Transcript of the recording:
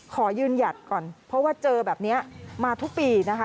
ขอยืนหยัดก่อนเพราะว่าเจอแบบนี้มาทุกปีนะคะ